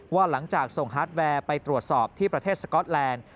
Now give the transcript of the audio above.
ว่าหลังจากส่งฮาร์ดแวร์ไปตรวจสอบที่ประเทศสก๊อตแลนด์